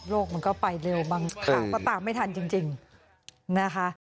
มันก็ไปเร็วบางข่าวก็ตามไม่ทันจริงนะคะ